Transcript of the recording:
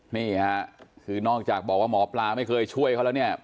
นี่ค่ะคือนอกจากบอกว่าหมอปลาไม่เคยช่วยเขาแล้วเนี่ย